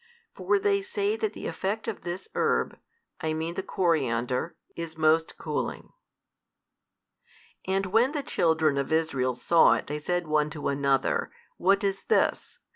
For they say that the effect of this herb, I mean the coriander, is most cooling. And when the children of Israel saw it they said one to another, What is this?